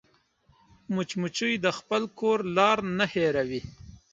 مچمچۍ د خپل کور لار نه هېروي